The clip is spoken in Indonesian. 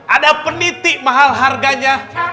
ada peniti mahal harganya